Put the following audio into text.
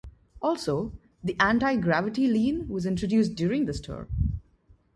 Also, the anti-gravity lean was introduced during this tour.